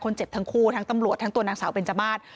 เจ็บทั้งคู่ทั้งตำรวจทั้งตัวนางสาวเบนจมาส